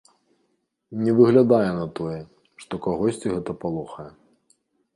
Не выглядае на тое, што кагосьці гэта палохае.